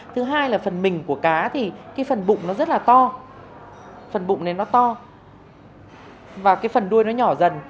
thứ hai là phần mình của cá thì cái phần bụng nó rất là to phần bụng này nó to và cái phần đuôi nó nhỏ dần